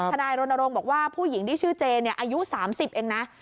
นายรณรงค์บอกว่าผู้หญิงที่ชื่อเจอายุ๓๐เองนะ